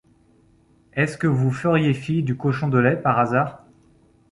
Est-ce que vous feriez fi du cochon de lait, par hasard ?